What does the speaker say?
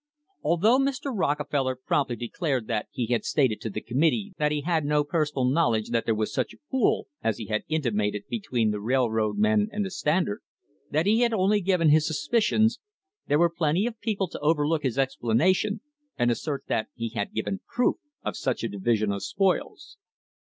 Although Mr. Rockefeller promptly declared that he had stated to the committee that he had no personal knowledge that there was such a pool as he had intimated between the railroad men and the Standard, that he had only given his suspicions, there were plenty of people to overlook his explanation and assert that he had given proof of such a division of spoils.